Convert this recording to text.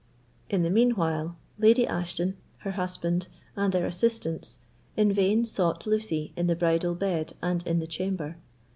In the mean while, Lady Ashton, her husband, and their assistants in vain sought Lucy in the bridal bed and in the chamber.